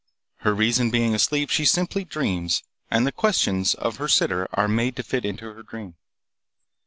Her reason being asleep, she simply dreams, and the questions of her sitter are made to fit into her dream.